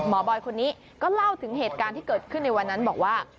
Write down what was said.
บอยคนนี้ก็เล่าถึงเหตุการณ์ที่เกิดขึ้นในวันนั้นบอกว่า